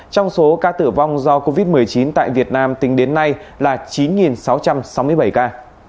trong số ca tử vong do covid một mươi chín tại việt nam tính đến nay là chín sáu trăm sáu mươi bảy ca